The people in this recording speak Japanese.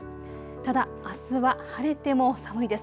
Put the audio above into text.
ただあすは晴れても寒いです。